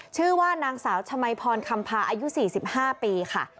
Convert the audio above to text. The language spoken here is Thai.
ชื่อว่านางสาวชมัยพรคำพาอายุ๔๕ปีค่ะ